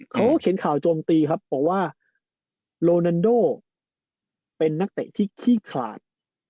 เขาเขียนข่าวโจมตีครับบอกว่าโรนันโดเป็นนักเตะที่ขี้ขาด